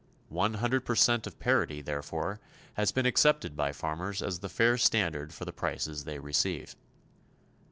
One hundred percent of parity, therefore, has been accepted by farmers as the fair standard for the prices they receive.